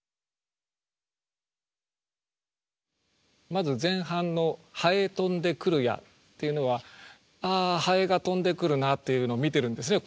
まず前半の「蝿とんでくるや」っていうのはああハエが飛んでくるなっていうのを見てるんですね。